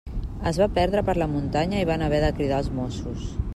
Es va perdre per la muntanya i van haver de cridar els Mossos.